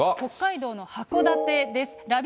北海道の函館です。